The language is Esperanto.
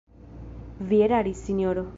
Vi eraris, sinjoro!